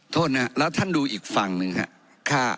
โทษนะแล้วท่านดูอีกฝั่งหนึ่งครับ